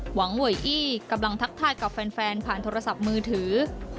หวังเวยอี้กำลังทักทายกับแฟนผ่านโทรศัพท์มือถือ